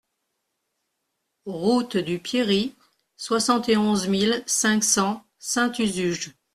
Route du Pierry, soixante et onze mille cinq cents Saint-Usuge